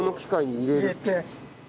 入れて。